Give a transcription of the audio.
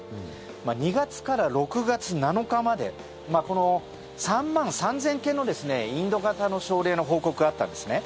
２月から６月７日まで３万３０００件のインド型の症例の報告があったんですね。